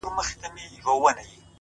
ويني ته مه څښه اوبه وڅښه ـ